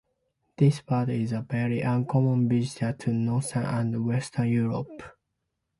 This bird is a very uncommon visitor to northern and western Europe.